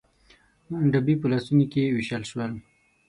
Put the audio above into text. ډبي په لاسونو کې ووېشل شول.